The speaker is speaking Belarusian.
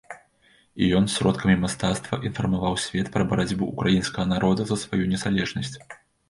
І ён сродкамі мастацтва інфармаваў свет пра барацьбу ўкраінскага народа за сваю незалежнасць.